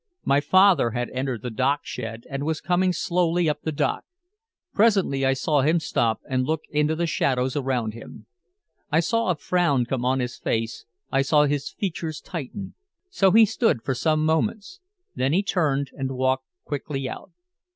My father had entered the dock shed and was coming slowly up the dock. Presently I saw him stop and look into the shadows around him. I saw a frown come on his face, I saw his features tighten. So he stood for some moments. Then he turned and walked quickly out.